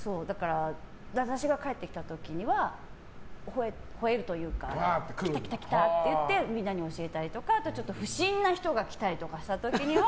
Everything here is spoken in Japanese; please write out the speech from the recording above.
私が帰ってきた時には吠えるというか来た来た！ってみんなに教えたりとかちょっと不審な人が来たりした時には。